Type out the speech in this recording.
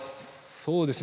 そうですね。